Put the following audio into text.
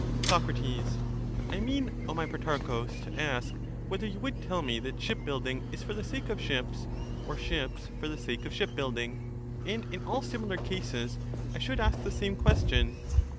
absolute. Soc, I mean, O my Protarchus, to ask whether you would tell me that ship building is for the sake of ships, or ships for the sake of ship building? and in all similar cases I should ask the same question.